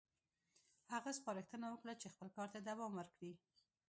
هغه سپارښتنه وکړه چې خپل کار ته دوام ورکړي.